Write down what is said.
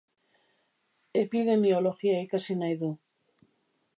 Epidemiologia ikasi nahi du.